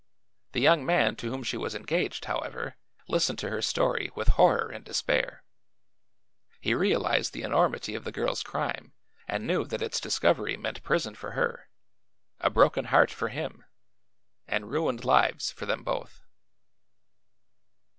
The young man to whom she was engaged, however, listened to her story with horror and despair. He realized the enormity of the girl's crime and knew that its discovery meant prison for her, a broken heart for him, and ruined lives for them both."